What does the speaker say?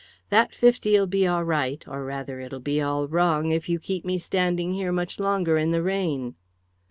"That fifty'll be all right, or rather it'll be all wrong, if you keep me standing here much longer in the rain."